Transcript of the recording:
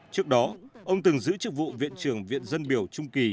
trước đó ông từng giữ chức vụ viện trưởng viện dân biểu trung kỳ